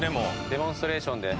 デモンストレーションで。